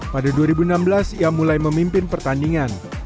pada dua ribu enam belas ia mulai memimpin pertandingan